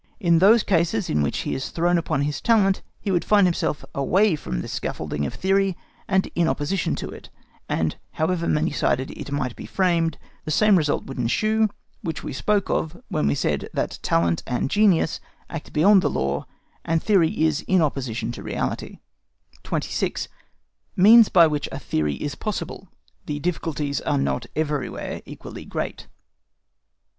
In all those cases in which he is thrown upon his talent he would find himself away from this scaffolding of theory and in opposition to it, and, however many sided it might be framed, the same result would ensue of which we spoke when we said that talent and genius act beyond the law, and theory is in opposition to reality. 26. MEANS LEFT BY WHICH A THEORY IS POSSIBLE (THE DIFFICULTIES ARE NOT EVERYWHERE EQUALLY GREAT).